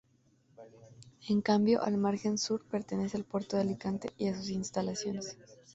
En cambio, el margen sur pertenece al puerto de Alicante y a sus instalaciones.